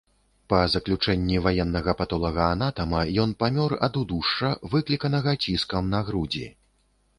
Па заключэнні ваеннага патолагаанатама, ён памёр ад удушша, выкліканага ціскам на грудзі.